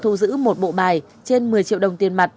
thu giữ một bộ bài trên một mươi triệu đồng tiền mặt